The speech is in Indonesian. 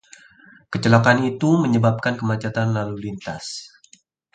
Kecelakaan itu menyebabkan kemacetan lalu lintas.